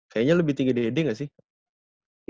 kayaknya lebih tinggi ded gak sih